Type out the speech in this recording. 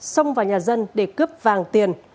xông vào nhà dân để cướp vàng tiền